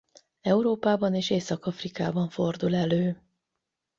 Európában és Észak-Afrikában fordul elő.